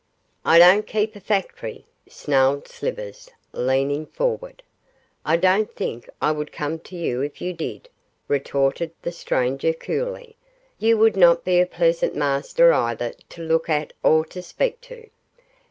'I don't keep a factory,' snarled Slivers, leaning forward. 'I don't think I would come to you if you did,' retorted the stranger, coolly. 'You would not be a pleasant master either to look at or to speak to.